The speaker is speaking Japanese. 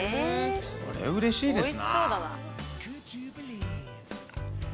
これうれしいですな。